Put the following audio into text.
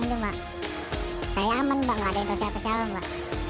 saya aman mbak gak ada yang tau siapa siapa mbak